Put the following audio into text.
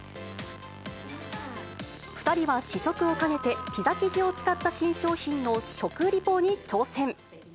２人は試食を兼ねて、ピザ生地を使った新商品の食リポに挑戦。